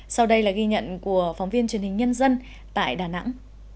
sau đây là ghi nhận của phóng viên truyền hình nhân dân tại đà nẵng